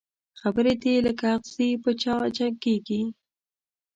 خبري دي لکه اغزي په چا جګېږي